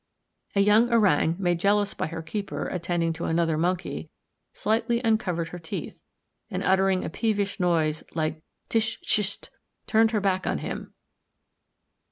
A young orang, made jealous by her keeper attending to another monkey, slightly uncovered her teeth, and, uttering a peevish noise like tish shist, turned her back on him.